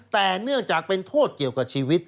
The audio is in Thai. แต่เนื่องจากเป็นโทษเกี่ยวกับชีวิต